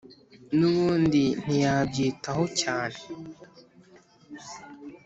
nubundi ntiyabyitaho cyane